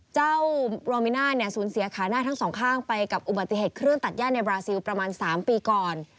เจ้าโรมิน่าเนี่ยสูญเสียขาหน้าทั้งสองข้างไปกับอุบัติเหตุเครื่องตัดย่าในบราซิลประมาณ๓ปีก่อน